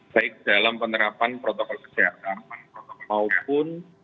baik dalam penerapan protokol kesehatan maupun